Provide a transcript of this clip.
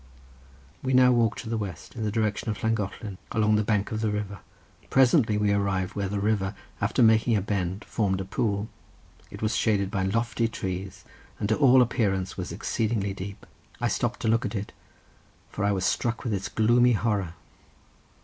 We now walked to the west, in the direction of Llangollen, along the bank of the river. Presently we arrived where the river, after making a bend, formed a pool. It was shaded by lofty trees, and to all appearance was exceedingly deep. I stopped to look at it, for I was struck with its gloomy horror.